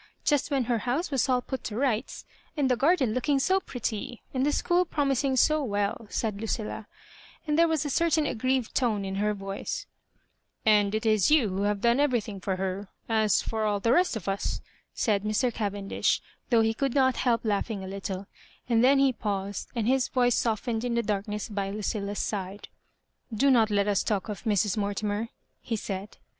Just when her house was all put to rights, and the garden looking so pretty, and the school pro mising 80 well," said LucillA ; and there was a certain aggrieved tone in her voica " And it is you who have done everything for her, as for all the rest of us," said Mr. Cavendish, though he could not help laughing a little ; and then he paused, and bis voice softened in the darkness by Ludlla's side. ^* Do not let us talk of Mrs. Mortimer," he said.